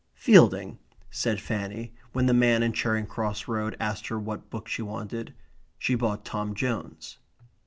"Fielding," said Fanny, when the man in Charing Cross Road asked her what book she wanted. She bought Tom Jones.